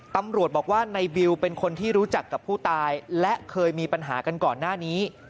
ตำรวจบอกว่าในบิวเป็นคนที่รู้จักกับผู้ตายและเคยมีปัญหากันก่อนหน้านี้